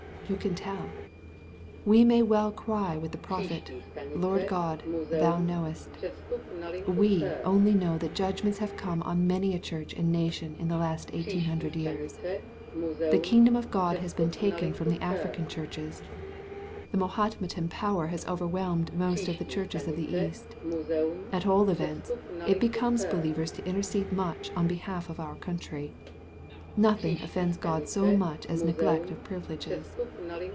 Who can tell ? We may well cry with the prophet, " Lord God, thou knowest/' ) We only know that judgments have come on many a church and nation in the last 1800 years. . The kingdom of God has been taken from the African churches.' The Mahometan power has overwhelmed most of the churches of the East. } At all events it becomes all believers to intercede much on behalf of our country. Nothing ofifends God so much t as neglect of privileges.